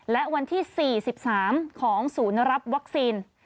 และวันที่๔๓ของศูนย์รับวัคซีน